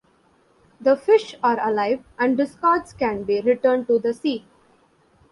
The fish are alive and discards can be returned to the sea.